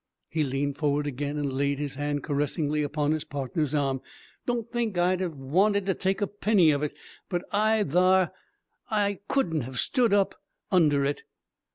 He leaned forward again, and laid his hand caressingly upon his partner's arm "Don't think I'd hev wanted to take a penny of it but I thar! I couldn't hev stood up under it!